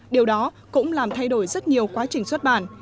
điều đó cũng làm thay đổi rất nhiều quá trình xuất bản